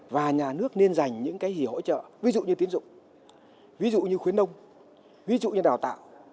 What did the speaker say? và nhà nước nên dành những cái gì hỗ trợ ví dụ như tiến dụng ví dụ như khuyến nông ví dụ như đào tạo